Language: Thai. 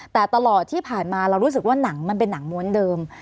แต่ตลอดที่ผ่านมาเรารู้สึกว่าหนังมันเป็นหนังม้วนเดิม